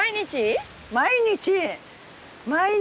毎日。